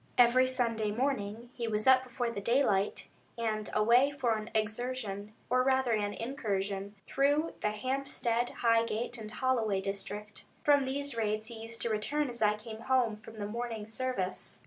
Every Sunday morning he was up before the daylight, and away for an excursion, or rather an incursion, through the Hampstead, Highgate, and Holloway district. From these raids he used to return as I came home from the morning service.